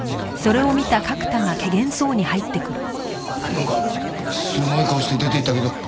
なんかすごい顔して出て行ったけど大丈夫か？